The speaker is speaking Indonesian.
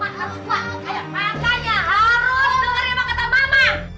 makanya harus dengerin apa kata mama